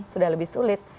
sudah lebih sulit